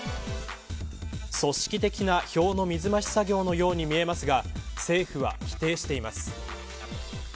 組織的な票の水増し作業のように見えますが政府は否定しています。